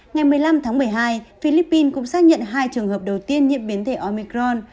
ngày một mươi năm tháng một mươi hai philippines cũng xác nhận hai trường hợp đầu tiên nhiễm biến thể omicron